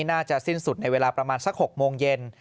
น่าจะสิ้นสุดในเวลาประมาณสัก๖โมงเย็น